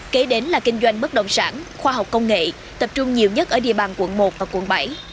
kế đến là kinh doanh bất động sản khoa học công nghệ tập trung nhiều nhất ở địa bàn quận một và quận bảy